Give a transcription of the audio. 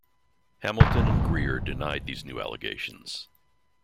Hamilton and Greer denied these new allegations.